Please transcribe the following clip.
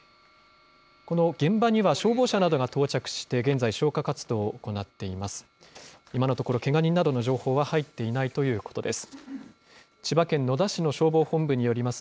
この現場には消防車などが到着して、現在、消火活動を行っています。